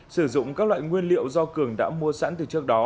sử dụng các loại nguyên liệu do cường đã mua sẵn từ trước đó